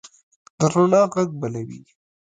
د روڼا ږغ بلوي